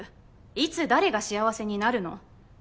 いつ誰が幸せになるの？